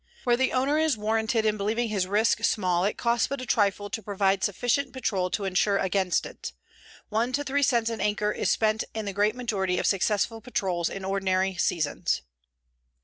Where the owner is warranted in believing his risk small it costs but a trifle to provide sufficient patrol to insure against it. One to 3 cents an acre is spent in the great majority of successful patrols in ordinary seasons.